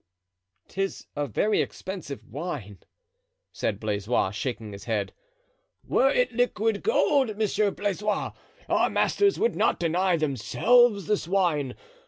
"'Tis a very expensive wine," said Blaisois, shaking his head. "Were it liquid gold, Monsieur Blaisois, our masters would not deny themselves this wine.